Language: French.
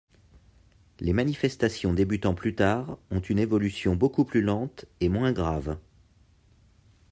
Les manifestations débutant plus tard ont une évolution beaucoup plus lente et moins grave.